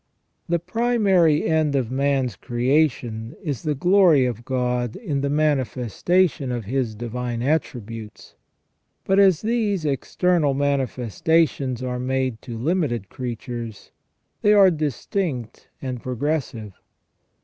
The primary end of man's creation is the glory of God in the manifestation of His divine attributes. But as these external manifestations are made to limited creatures, they are distinct and progressive.